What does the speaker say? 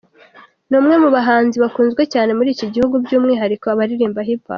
Ni umwe mu bahanzi bakunzwe cyane muri iki gihugu by’umwihariko abaririmba Hip Hop.